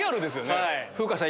風花さん